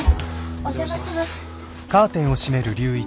お邪魔してます。